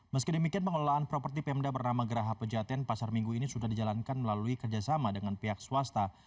meski demikian pengelolaan properti pemda bernama geraha pejaten pasar minggu ini sudah dijalankan melalui kerjasama dengan pihak swasta